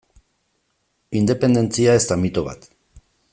Independentzia ez da mito bat.